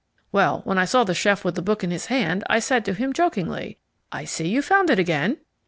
Well, when I saw the chef with the book in his hand, I said to him jokingly, "I see you found it again."